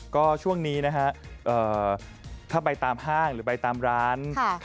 ก็ช่วงนี้นะฮะถ้าไปตามห้างหรือไปตามร้าน